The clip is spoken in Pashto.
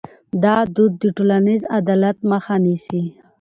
دا دود د ټولنیز عدالت مخه نیسي.